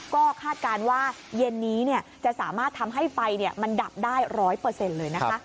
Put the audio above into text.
ก็คาดการณ์ว่าเย็นนี้จะสามารถทำให้ไฟมันดับได้ร้อยเปอร์เซ็นต์เลย